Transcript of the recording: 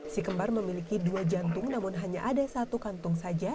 si kembar memiliki dua jantung namun hanya ada satu kantung saja